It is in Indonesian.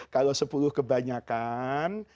kalau sepuluh kebanyakan